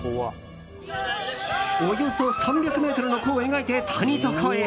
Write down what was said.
およそ３００ｍの弧を描いて谷底へ。